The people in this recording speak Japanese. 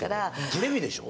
テレビでしょ？